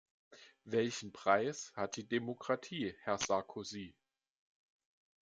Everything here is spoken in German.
Welchen Preis hat die Demokratie, Herr Sarkozy?